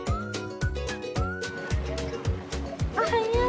おはよう！